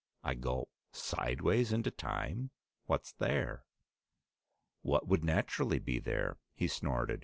I gulped. "Sideways into time! What's there?" "What would naturally be there?" he snorted.